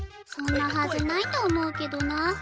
そんなはずないと思うけどな。